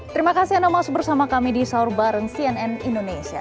terima kasih anda masuk bersama kami di saurbaran cnn indonesia